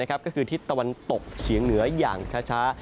ก็คือทิศตะวันตกเฉียงเหนืออย่างช้า